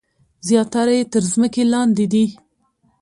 زیاتره یې تر ځمکې لاندې دي.